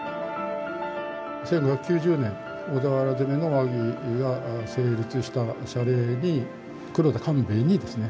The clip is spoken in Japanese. １５９０年小田原攻めの和議が成立した謝礼に黒田官兵衛にですね